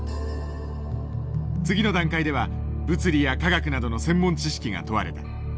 次の段階では物理や化学などの専門知識が問われた。